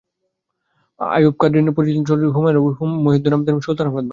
আইয়ুব কাদরী পরিচালিত চলচ্চিত্রটিতে অভিনয় করেন মফিজ উদ্দিন আহমেদ এবং সুলতান মাহমুদ বাবু।